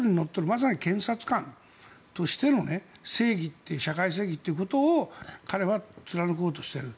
まさに検察官としての社会正義ということを彼は貫こうとしている。